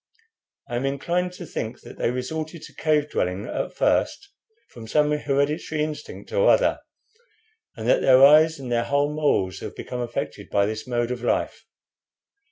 I am inclined to think that they resorted to cave dwelling at first from some hereditary instinct or other, and that their eyes and their whole morals have become affected by this mode of life.